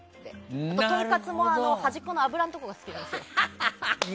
あと、トンカツも端っこの脂のところが好きなんです。